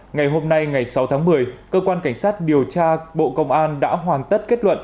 ngày hôm nay ngày sáu tháng một mươi cơ quan cảnh sát điều tra bộ công an đã hoàn tất kết luận